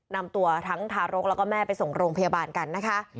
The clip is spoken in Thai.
นำตัวทั้งทารกแล้วก็แม่ไปส่งโรงพยาบาลกันนะคะ